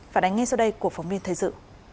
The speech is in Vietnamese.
phản ánh ngay sau đây của phóng viên thế dự